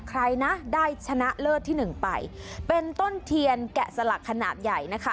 ใครนะได้ชนะเลิศที่หนึ่งไปเป็นต้นเทียนแกะสลักขนาดใหญ่นะคะ